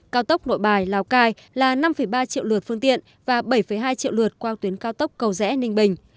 cao tốc nội bài lào cai là năm ba triệu lượt phương tiện và bảy hai triệu lượt qua tuyến cao tốc cầu rẽ ninh bình